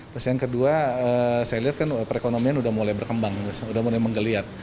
terus yang kedua saya lihat kan perekonomian sudah mulai berkembang sudah mulai menggeliat